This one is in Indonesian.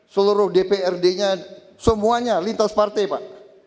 seluruh dprd nya semuanya lintas partai pak